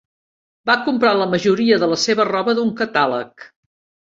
Va comprar la majoria de la seva roba d'un catàleg